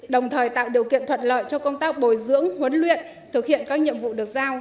đồng thời tạo điều kiện thuận lợi cho công tác bồi dưỡng huấn luyện thực hiện các nhiệm vụ được giao